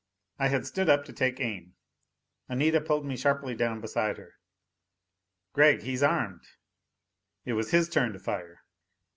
I had stood up to take aim. Anita pulled me sharply down beside her. "Gregg, he's armed!" It was his turn to fire.